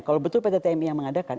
sebetulnya pt tmi yang mengadakan